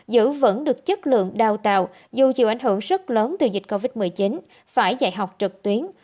giữ vững được chất lượng đào tạo dù chịu ảnh hưởng rất lớn từ dịch covid một mươi chín phải dạy học trực tuyến